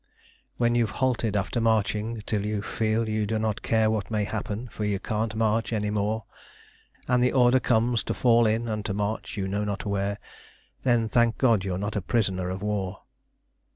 When you've halted after marching till you feel you do not care What may happen, for you can't march any more, And the order comes to "Fall in" and to march you know not where, Then thank God you're not a prisoner of war.